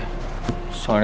soalnya saya mau ke rumah